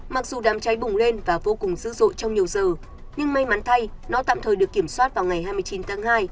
mặc dù đám cháy bùng lên và vô cùng dữ dội trong nhiều giờ nhưng may mắn thay nó tạm thời được kiểm soát vào ngày hai mươi chín tháng hai